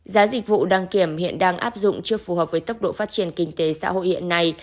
giá dịch vụ đăng kiểm hiện đang áp dụng chưa phù hợp với tốc độ phát triển kinh tế xã hội hiện nay